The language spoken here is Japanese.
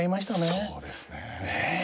そうなんですね。